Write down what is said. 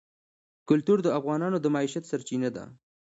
کلتور د افغانانو د معیشت سرچینه ده.